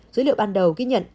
dữ liệu ban đầu ghi nhận